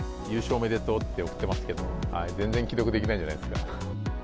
おめでとうって送ってますけど全然、既読にできないんじゃないですか。